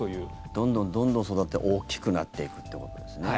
どんどんどんどん育って大きくなっていくっていうことですね。